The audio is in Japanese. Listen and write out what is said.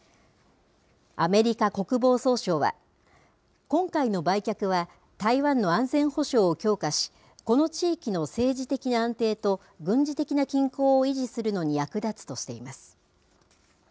アメリカ国防総省は、今回の売却は台湾の安全保障を強化し、この地域の政治的な安定と軍事的な均衡を維持するのに役立つとしています。